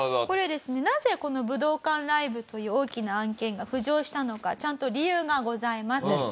これですねなぜ武道館ライブという大きな案件が浮上したのかちゃんと理由がございます。